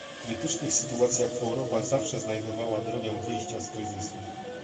W krytycznych sytuacjach Europa zawsze znajdowała drogę wyjścia z kryzysu